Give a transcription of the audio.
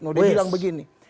nuh dia bilang begini